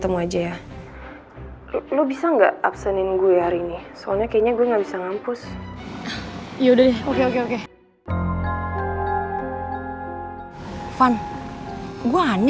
lu ada apaan gitu